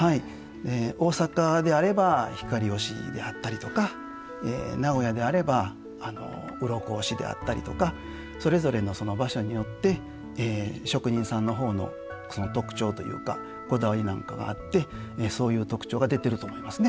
大阪であれば「光押し」であったりとか名古屋であれば「鱗押し」であったりとかそれぞれの場所によって職人さんの方の特徴というかこだわりなんかがあってそういう特徴が出てると思いますね。